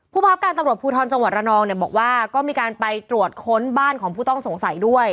ผู้บังคับการตำรวจภูทรจังหวัดระนองเนี่ยบอกว่าก็มีการไปตรวจค้นบ้านของผู้ต้องสงสัยด้วย